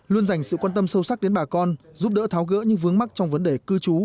luôn dành sự quan tâm sâu sắc đến bà con giúp đỡ tháo gỡ những vướng mắc trong vấn đề cư trú